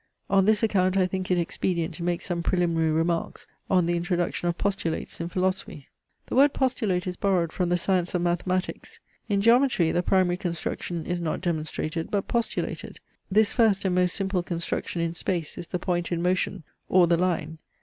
On this account I think it expedient to make some preliminary remarks on the introduction of Postulates in philosophy. The word postulate is borrowed from the science of mathematics . In geometry the primary construction is not demonstrated, but postulated. This first and most simple construction in space is the point in motion, or the line.